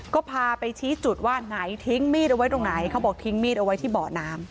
ก็พาไปชี้จุดว่าไหนทิ้งมีดเอาไว้ตรงไหนเขาบอกทิ้งมีดเอาไว้ที่เบาะน้ำ